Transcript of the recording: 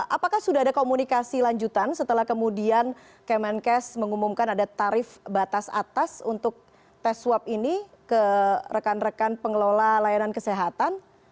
apakah sudah ada komunikasi lanjutan setelah kemudian kemenkes mengumumkan ada tarif batas atas untuk tes swab ini ke rekan rekan pengelola layanan kesehatan